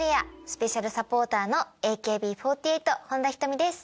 スペシャルサポーターのＡＫＢ４８本田仁美です。